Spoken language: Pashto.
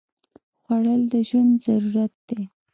خوړل د ژوند ضرورت دی